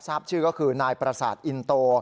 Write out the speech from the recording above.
ทราบชื่อก็คือนายประสาทอินโต